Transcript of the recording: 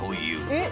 えっ！